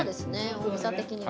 大きさ的には。